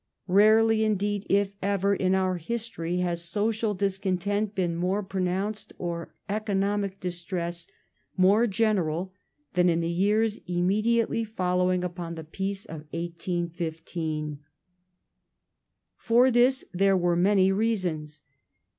Rarely indeed, if ever, in our history has social discontent been more pronounced or economic distress more general than in the years immediately following u}X)n the Peace of 1815. Reasons For this there were many reasons.